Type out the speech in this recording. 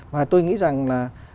mà tôi nghĩ rằng là